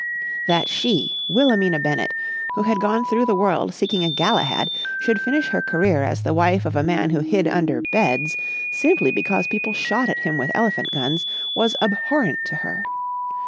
That she, Wilhelmina Bennett, who had gone through the world seeking a Galahad, should finish her career as the wife of a man who hid under beds simply because people shot at him with elephant guns was abhorrent to her.